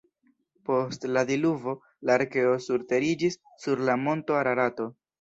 Post la diluvo la arkeo surteriĝis sur la monto Ararato.